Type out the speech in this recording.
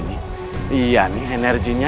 iya nih energinya